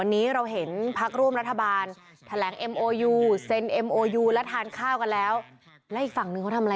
ที่จะมาเป็นธรรมดา